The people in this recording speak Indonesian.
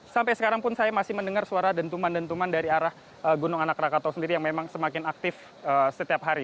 sampai sekarang pun saya masih mendengar suara dentuman dentuman dari arah gunung anak rakatau sendiri yang memang semakin aktif setiap hari